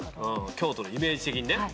京都のイメージ的にね。